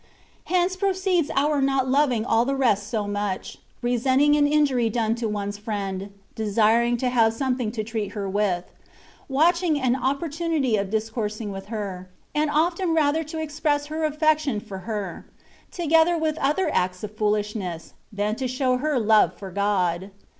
Hence proceeds our not loving all the rest so much — resenting an in jury done to one's friend — desiring to have some thing to treat her withf — ^watching an opportunity of discoursing with her, and often rather to ex press her aflfection for her, together with other acts of foolishness, than to show her love for God.